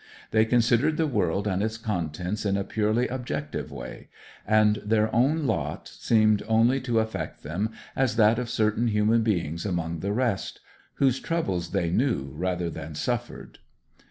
They considered the world and its contents in a purely objective way, and their own lot seemed only to affect them as that of certain human beings among the rest, whose troubles they knew rather than suffered.